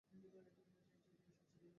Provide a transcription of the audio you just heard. স্বামী বললেন, শুধু লজ্জা নয়, ঈর্ষা।